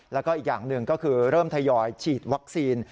แล้วก็อีกอย่างหนึ่งก็คือเริ่มทยอยฉีดวัคซีน